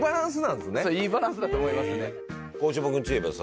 そういいバランスだと思いますね。